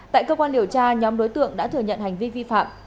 tại cơ quan điều tra nhóm đối tượng đã thừa nhận hành vi vi phạm